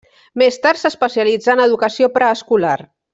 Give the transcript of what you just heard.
Més tard s'especialitzà en educació preescolar.